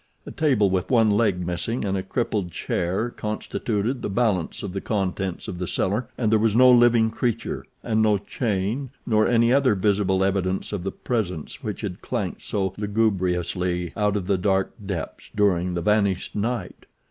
A table with one leg missing and a crippled chair constituted the balance of the contents of the cellar and there was no living creature and no chain nor any other visible evidence of the presence which had clanked so lugubriously out of the dark depths during the vanished night.